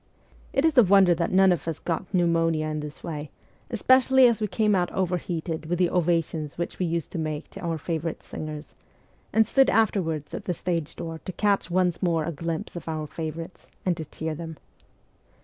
It is a wonder that none of us got pneumonia in this way, especially as we came out overheated with the ovations which we used to make to our favourite singers, and stood afterwards at the stage door to catch once more a glimpse of our favourites, and to cheer them.